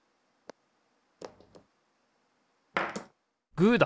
グーだ！